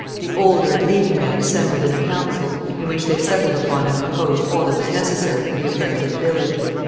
The older and leading men assembled in a council, in which they settled upon and proposed all that was necessary for the affairs of the village.